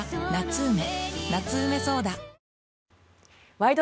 「ワイド！